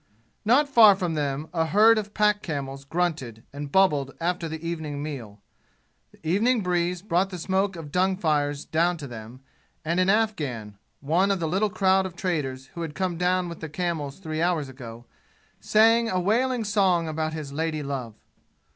Not far from them a herd of pack camels grunted and bubbled after the evening meal. The evening breeze brought the smoke of dung fires down to them, and an Afghan one of the little crowd of traders who had come down with the camels three hours ago sang a wailing song about his lady love.